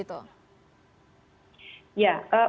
ya untuk kepulangan ke negara asalnya atau ke negara yang lain